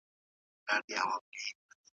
ملي سندرې د پښتو ژبې پخوانی وزن دی.